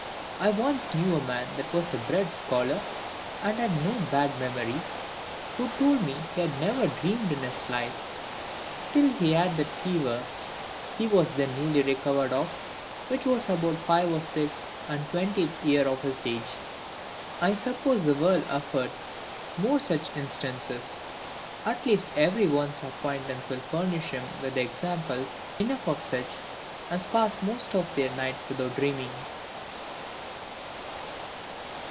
I once knew a man that was bred a scholar, and had no bad memory, who told me he had never dreamed in his life, till he had that fever he was then newly recovered of, which was about the five or six and twentieth year of his age. I suppose the world affords more such instances: at least every one's acquaintance will furnish him with examples enough of such as pass most of their nights without dreaming.